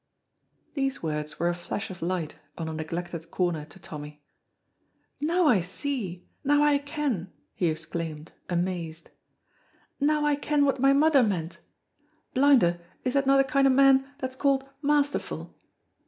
These words were a flash of light on a neglected corner to Tommy. "Now I see, now I ken," he exclaimed, amazed; "now I ken what my mother meant! Blinder, is that no the kind of man that's called masterful?"